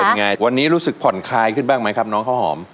เป็นไงวันนี้รู้สึกผ่อนคลายขึ้นบ้างไหมครับน้องข้าวหอม